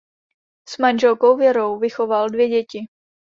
S manželkou Věrou vychoval dvě děti.